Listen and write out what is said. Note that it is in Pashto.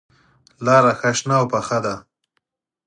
لاره ښه شنه او پوخه ده.